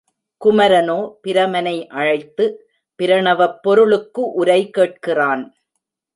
குமரனோ பிரமனை அழைத்து, பிரவணப் பொருளுக்கு உரை கேட்கிறான்.